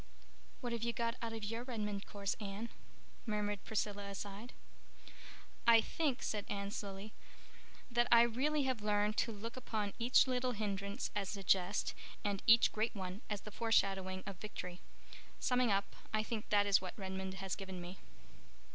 "What have you got out of your Redmond course, Anne?" murmured Priscilla aside. "I think," said Anne slowly, "that I really have learned to look upon each little hindrance as a jest and each great one as the foreshadowing of victory. Summing up, I think that is what Redmond has given me."